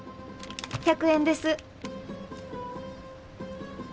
１００円です。